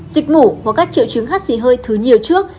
dịch mủ hoặc các triệu chứng hát xì hơi thứ nhiều trước